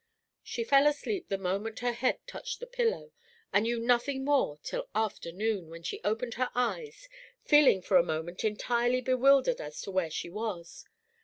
She fell asleep the moment her head touched the pillow, and knew nothing more till after noon, when she opened her eyes, feeling for a moment entirely bewildered as to where she was.